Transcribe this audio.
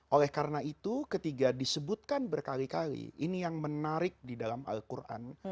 oleh karena itu ketika disebutkan berkali kali ini yang menarik di dalam al quran